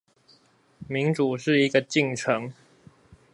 民主是一個進程